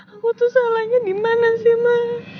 aku tuh salahnya dimana sih ma